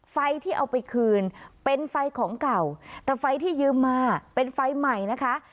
ไฟที่เอาไปคืนเป็นไฟของเก่าแต่ไฟที่ยืมมาเป็นไฟใหม่นะคะ